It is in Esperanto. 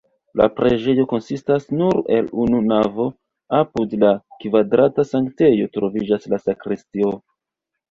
La preĝejo konsistas nur el unu navo, apud la kvadrata sanktejo troviĝas la sakristio.